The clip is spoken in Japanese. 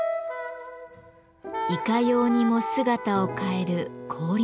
いかようにも姿を変える氷の芸術。